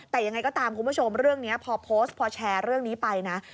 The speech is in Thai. แต่ยังไงก็ตามคุณผู้ชมเรื่องนี้พอโพสต์พอแชร์เรื่องนี้ไปนะ